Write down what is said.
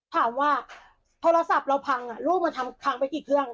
ถามว่าโทรศัพท์เราพังลูกมันทำพังไปกี่เครื่อง